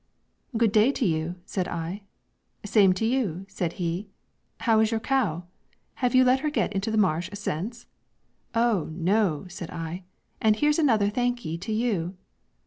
'Good day to you,' said I. 'Same to you,' said he; 'how is your cow? Have you let her get into the marsh since?' 'Oh, no,' said I, 'and here is another thank ye to you.'